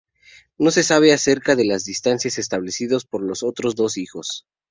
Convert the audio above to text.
Nada se sabe acerca de las dinastías establecidas por los otros dos hijos.